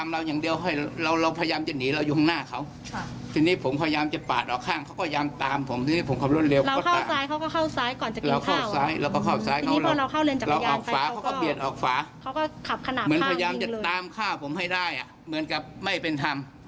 พยายามจะตามฆ่าผมให้ได้เหมือนกับไม่เป็นธรรม